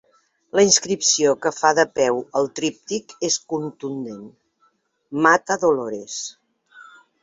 La inscripció que fa de peu al tríptic és contundent: "Mata Dolores".